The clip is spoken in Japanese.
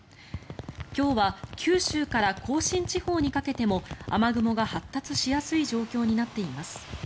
今日は九州から甲信地方にかけても雨雲が発達しやすい状況になっています。